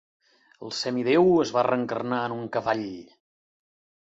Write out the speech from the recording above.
El semideu es va reencarnar en un cavall.